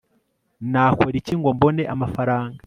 nakora iki ngo mbone amafaranga